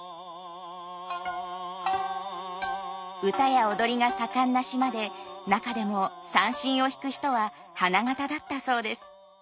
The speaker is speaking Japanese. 唄や踊りが盛んな島で中でも三線を弾く人は花形だったそうです。